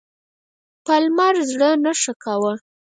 پالمر زړه نه ښه کاوه.